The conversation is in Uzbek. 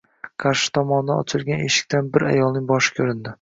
Qarshi tomondan ochilgan eshikdan bir ayolning boshi ko'rindi.